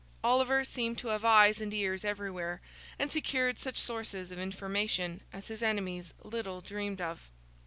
Oliver seemed to have eyes and ears everywhere, and secured such sources of information as his enemies little dreamed of.